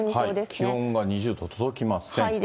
気温は２０度届きません。